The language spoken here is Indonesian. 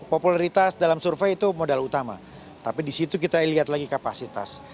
kapasitas dalam survei itu modal utama tapi di situ kita lihat lagi kapasitas